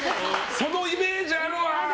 そのイメージあるわ！